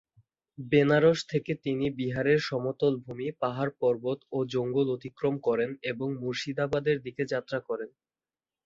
বেনারস থেকে তিনি বিহারের সমতলভূমি, পাহাড়-পর্বত ও জঙ্গল অতিক্রম করেন এবং মুর্শিদাবাদের দিকে যাত্রা করেন।